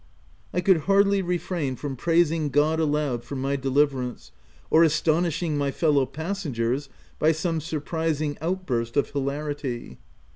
I could hardly refrain from praising God aloud for my deliverance, or astonishing my fellow passengers by some surprising out burst of hilarity.